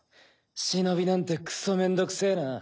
忍なんてクソめんどくせぇな。